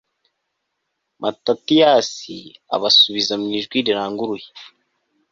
matatiyasi abasubiza mu ijwi riranguruye